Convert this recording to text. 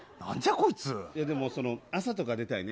でも朝とか出たいね。